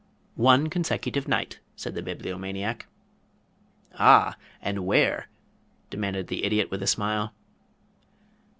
"One consecutive night," said the Bibliomaniac. "Ah and where?" demanded the Idiot with a smile.